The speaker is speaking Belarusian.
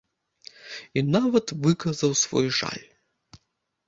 І нават выказаў свой жаль.